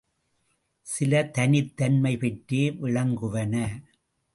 சில தனித் தன்மை பெற்றே விளங்குவன.